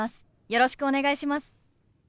よろしくお願いします。